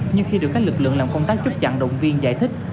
nhưng khi được các lực lượng làm công tác chốt chặn đồng viên giải thích